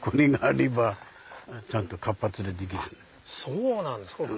そうなんですか。